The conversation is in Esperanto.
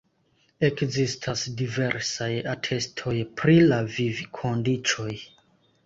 Ekzistas diversaj atestoj pri la vivkondiĉoj.